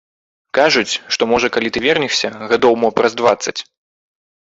Кажуць, што можа калі ты вернешся, гадоў мо праз дваццаць.